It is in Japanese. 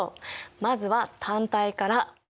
まずは単体から。